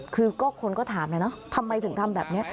คือคนก็ถามเลยนะทำไมถึงทำแบบนี้